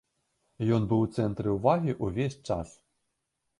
Ён быў у цэнтры ўвагі ўвесь час.